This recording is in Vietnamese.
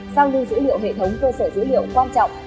sao lưu dữ liệu hệ thống cơ sở dữ liệu quan trọng